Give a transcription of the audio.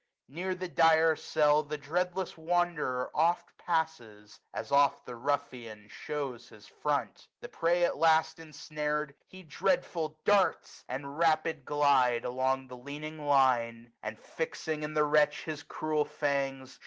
Near the dire cell the dreadless wanderer oft Passes, as oft the ruffian shows his front ; The prey at last ensnar'd, he dreadful darts, 275 With rapid glide, along the leaning line •, And, fixing in the wretch his cruel fangs.